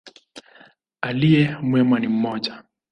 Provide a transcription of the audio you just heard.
Aliye mwema ni mmoja.